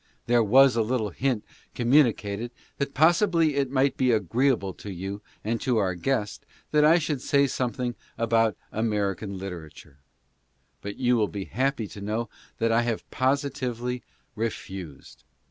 There was a little hint communicated that possibly it might be agreeable to you and to our guest that I should say something about American litera ture, but you will be happy to know that I have positively refused.